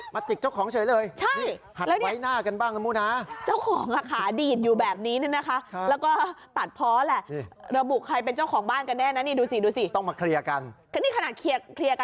สุดเจนแล้วฮันพลสุดจีนมามุ้ยังอยู่ดีใช่ไหมลูก